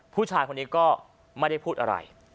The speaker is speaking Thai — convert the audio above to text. ผู้ชายคนนี้ก็ไม่ได้พูดอะไร